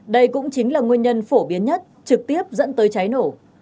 đây cũng chính là nguyên nhân phổ biến nhất trực tiếp dẫn tới cháy nổ